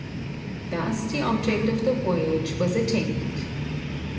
Thus the object of the voyage was attained.